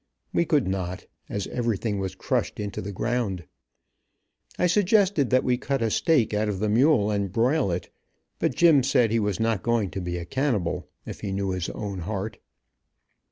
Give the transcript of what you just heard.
We could not, as everything was crushed into the ground. I suggested that we cut a steak out of the mule, and broil it, but Jim said he was not going to be a cannibal, if he knew his own heart.